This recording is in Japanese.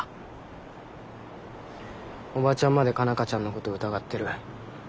オバチャンまで佳奈花ちゃんのことを疑ってる。